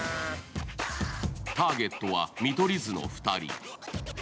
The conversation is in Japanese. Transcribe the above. ターゲットは見取り図の２人。